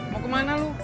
mau kemana lu